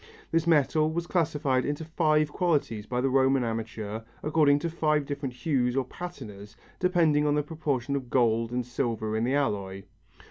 This metal was classified into five qualities by the Roman amateur according to five different hues or patinas depending upon the proportion of gold and silver in the alloy.